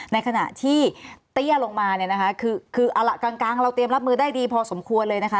ในขณะที่เตี้ยลงมาเนี่ยนะคะคือเอาล่ะกลางเราเตรียมรับมือได้ดีพอสมควรเลยนะคะ